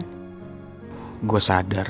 supaya gue bisa jauhin pangeran